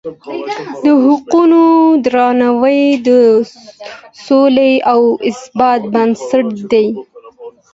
د حقونو درناوی د سولې او ثبات بنسټ دی.